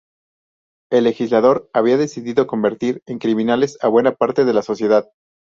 el legislador había decidido convertir en criminales a buena parte de la sociedad